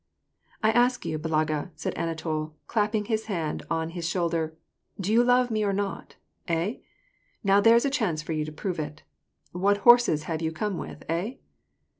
" I ask you, Balaga," said Anatol, clapping his hand on his shoulder, " do you love me, or not, hey ? Now there's a chance for you to prove it. What horses have you come with, hey